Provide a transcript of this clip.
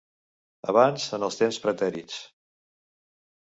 Abans, en els temps pretèrits.